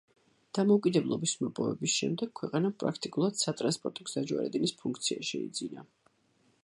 დამოუკიდებლობის მოპოვების შემდეგ ქვეყანამ პრაქტიკულად სატრანსპორტო გზაჯვარედინის ფუნქცია შეიძინა.